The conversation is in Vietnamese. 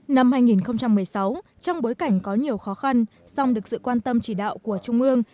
năm hai nghìn một mươi sáu trong bối cảnh có nhiều khó khăn song được sự quan tâm chỉ đạo của trung ương